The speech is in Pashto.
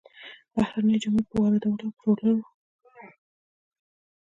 بهرنيو جامو پر واردولو او پلورلو